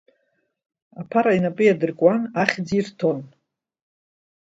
Аԥара инапы иадыркуан ахьӡ ирҭон…